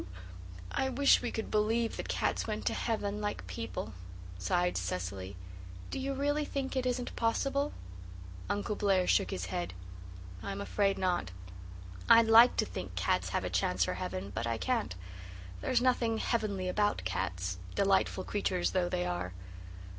"I wish we could believe that cats went to heaven, like people," sighed Cecily. "Do you really think it isn't possible?" Uncle Blair shook his head. "I'm afraid not. I'd like to think cats have a chance for heaven, but I can't. There's nothing heavenly about cats, delightful creatures though they are."